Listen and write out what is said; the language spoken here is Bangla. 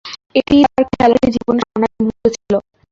এটিই তার খেলোয়াড়ী জীবনের স্বর্ণালী মুহুর্ত ছিল।